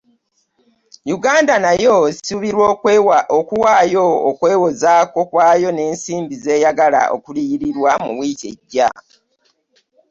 Uganda nayo esuubirwa okuwaayo okwewozaako kwayo n’ensimbi z’eyagala okuliyirirwa mu wiiki ejja.